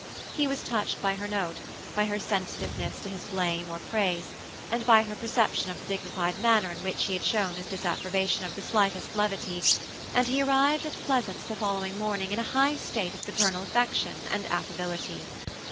He was touched by her note, by her sensitiveness to his blame or praise, and by her perception of the dignified manner in which he had shown his disapprobation of the slightest levity, and he arrived at Pleasance the following morning in a high state of paternal affection and affability.